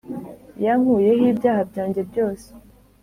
yankuyeho ibyaha byanjye byose